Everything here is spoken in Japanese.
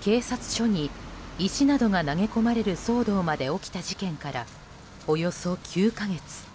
警察署に石などが投げ込まれる騒動まで起きた事件からおよそ９か月。